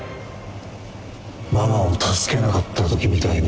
ママを助けなかった時みたいに。